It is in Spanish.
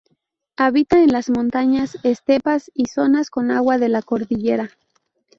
Habita en las montañas, estepas y zonas con agua de la cordillera.